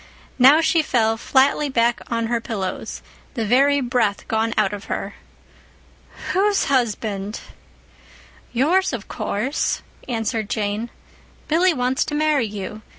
Now she fell flatly back on her pillows, the very breath gone out of her. "Whose husband?" "Yours, of course," answered Jane. "Billy wants to marry you.